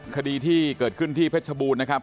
คดีที่เกิดขึ้นที่เพชรบูรณ์นะครับ